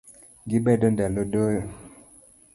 Gimedo ndalo doyo